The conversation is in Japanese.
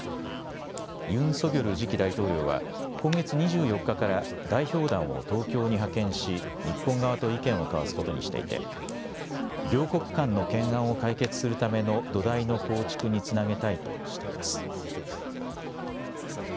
ユン・ソギョル次期大統領は今月２４日から代表団を東京に派遣し日本側と意見を交わすことにしていて両国間の懸案を解決するための土台の構築につなげたいとしています。